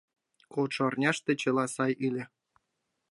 Кодшо арняште чыла сай ыле.